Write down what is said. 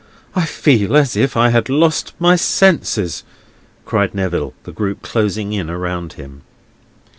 I feel as if I had lost my senses!" cried Neville, the group closing in around him.